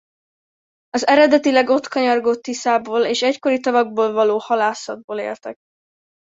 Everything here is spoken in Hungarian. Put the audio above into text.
Az eredetileg ott kanyargó Tiszából és egykori tavakból való halászatból éltek.